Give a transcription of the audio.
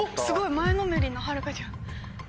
すごい前のめりなはるかちゃん。